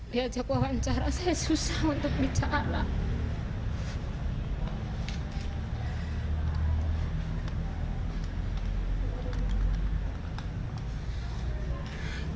diajak wawancara saya susah untuk bicara lah